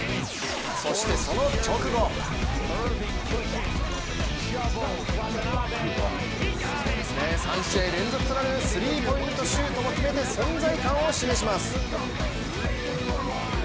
そしてその直後３試合連続となるスリーポイントシュートも決めて存在感を示します。